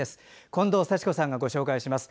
近藤幸子さんがご紹介します。